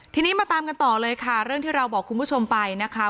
ทีนี้มาตามกันต่อเลยค่ะเรื่องที่เราบอกคุณผู้ชมไปนะคะ